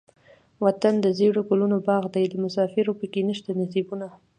وطن دزيړو ګلو باغ دے دمسافرو پکښې نيشته نصيبونه